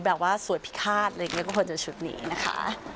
แบบว่าสวยพิฆาตอะไรอย่างนี้ก็ควรจะชุดนี้นะคะ